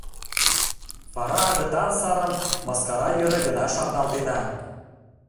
Вара агытан сарым мыскара йӧре гына шарналтена.